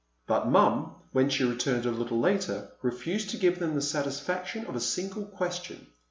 But Mom, when she returned a little later, refused to give them the satisfaction of a single question.